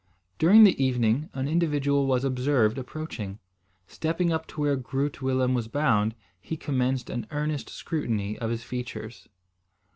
During the evening, an individual was observed approaching. Stepping up to where Groot Willem was bound, he commenced an earnest scrutiny of his features.